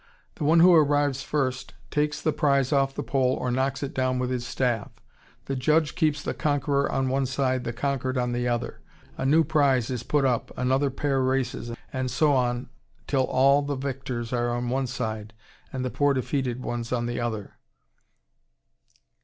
The one who arrives first takes the prize off the pole or knocks it down with his staff. The judge keeps the conqueror on one side, the conquered on the other. A new prize is put up, another pair races, and so on till all the victors are on one side, and the poor defeated ones on the other.